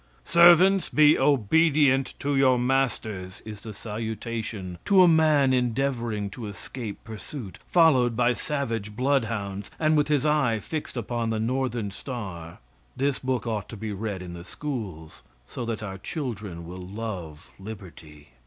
"Servants, be obedient to your masters," is the salutation to a man endeavoring to escape pursuit, followed by savage blood hounds, and with his eye fixed upon the northern star. This book ought to be read in the schools, so that our children will love liberty.